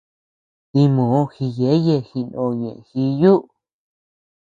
Dimoo gíyeye jinoo ñeʼe jíyuu.